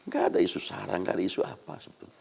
gak ada isu sarang gak ada isu apa